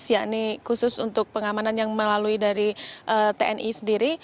yakni khusus untuk pengamanan yang melalui dari tni sendiri